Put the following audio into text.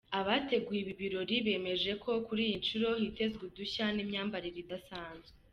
Abateguye ibi birori, bemeze ko kuri iyi nshuro hitezwe udushya n’imyambarire idasanzwe.